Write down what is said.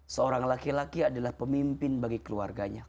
seorang laki laki adalah pemimpin bagi keluarganya